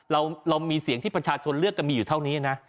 เรามีเสียงที่ประชาชนเลือกกันมีอยู่เท่านี้นะ